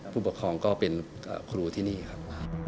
ผู้ปกครองก็เป็นครูที่นี่ครับ